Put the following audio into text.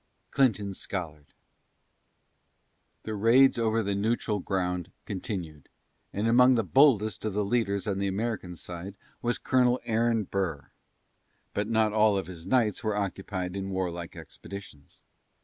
CLINTON SCOLLARD. The raids over the "Neutral Ground" continued, and among the boldest of the leaders on the American side was Colonel Aaron Burr. But not all of his nights were occupied in warlike expeditions.